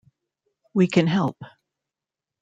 We can help.